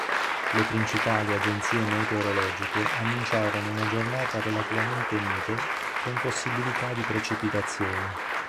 Le principali agenzie meteorologiche annunciarono una giornata relativamente mite, con possibilità di precipitazioni.